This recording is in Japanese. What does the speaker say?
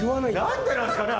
何でなんですかね